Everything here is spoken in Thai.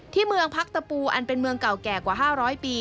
เมืองพักตะปูอันเป็นเมืองเก่าแก่กว่า๕๐๐ปี